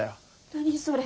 何それ？